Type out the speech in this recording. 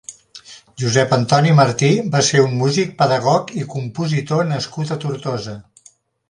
Josep Antoni Martí va ser un músic, pedagog i compositor nascut a Tortosa.